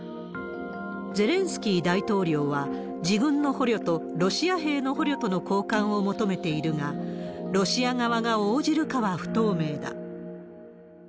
ゼレンスキー大統領は、自分の捕虜とロシア兵の捕虜との交換を求めているが、ロシア側が応じるかは不透明だ。